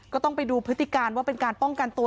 ก็ต้องไปดูพฤติการว่าเป็นการป้องกันตัว